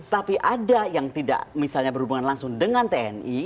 tapi ada yang tidak misalnya berhubungan langsung dengan tni